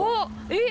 えっ！